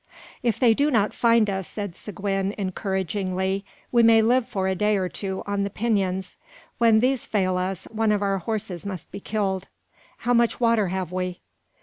"If they do not find us," said Seguin, encouragingly, "we may live for a day or two on the pinons. When these fail us, one of our horses must be killed. How much water have we?"